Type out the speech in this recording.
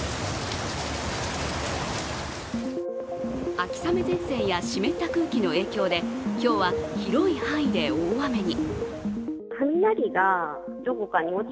秋雨前線や湿った空気の影響で、今日は広い範囲で大雨に。